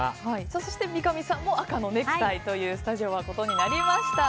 そして、三上さんも赤のネクタイということにスタジオはなりました。